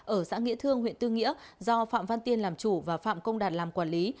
ở xã nghĩa thương huyện tư nghĩa do phạm văn tiên làm chủ và phạm công đạt làm quản lý